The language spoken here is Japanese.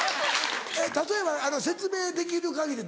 例えば説明できる限り